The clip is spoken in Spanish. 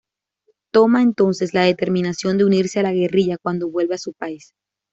Toma entonces la determinación de unirse a la guerrilla cuando vuelva a su país.